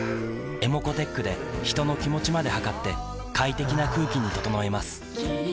ｅｍｏｃｏーｔｅｃｈで人の気持ちまで測って快適な空気に整えます三菱電機